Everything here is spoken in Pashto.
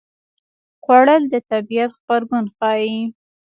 خوړل د طبیعت غبرګون ښيي